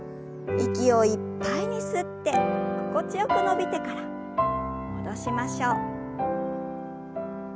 息をいっぱいに吸って心地よく伸びてから戻しましょう。